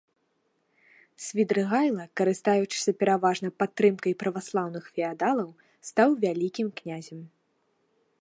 Свідрыгайла, карыстаючыся пераважна падтрымкай праваслаўных феадалаў, стаў вялікім князем.